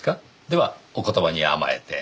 ではお言葉に甘えて。